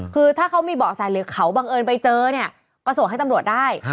คือถ้าเขามีเบาะแสหรือเขาบังเอิญไปเจอเนี่ยก็ส่งให้ตำรวจได้